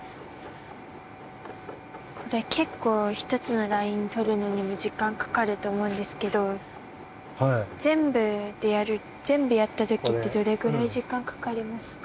これけっこう一つのラインをとるのにも時間かかると思うんですけど全部やったときってどれぐらい時間かかりますか？